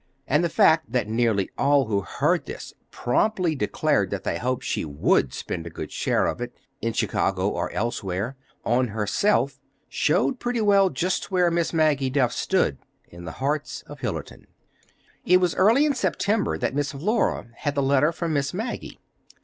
And the fact that nearly all who heard this promptly declared that they hoped she would spend a good share of it—in Chicago, or elsewhere—on herself, showed pretty well just where Miss Maggie Duff stood in the hearts of Hillerton. ...... It was early in September that Miss Flora had the letter from Miss Maggie.